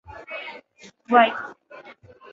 White (Editor).